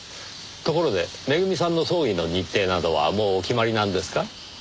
ところでめぐみさんの葬儀の日程などはもうお決まりなんですか？